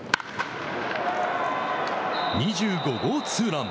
２５号ツーラン。